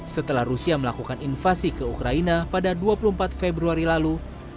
setelah rusia melakukan invasi ke ukraina pada dua puluh empat februari lalu